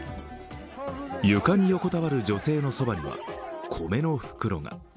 床に横たわる女性のそばには米の袋が。